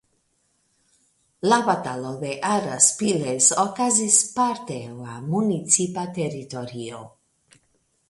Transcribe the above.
La Batalo de Araspiles okazis parte en la municipa teritorio.